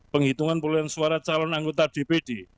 penghitungan perolehan suara calon anggota dpd